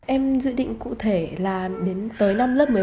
em dự định cụ thể là đến tới năm lớp một mươi bốn